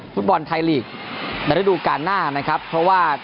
ฟุตบอลไทยลีกในฤดูการหน้านะครับเพราะว่า